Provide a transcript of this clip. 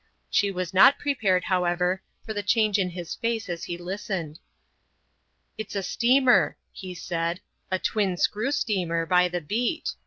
She was not prepared, however, for the change in his face as he listened. "It's a steamer," he said,—"a twin screw steamer, by the beat.